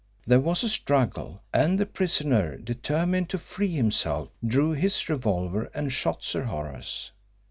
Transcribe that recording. There was a struggle, and the prisoner, determined to free himself, drew his revolver and shot Sir Horace.